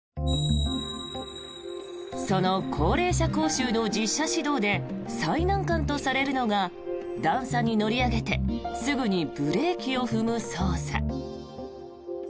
その高齢者講習の実車指導で最難関とされるのが段差に乗り上げてすぐにブレーキを踏む操作。